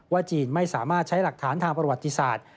จีนไม่สามารถใช้หลักฐานทางประวัติศาสตร์